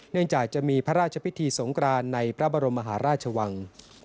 จากจะมีพระราชพิธีสงครานในพระบรมมหาราชวัง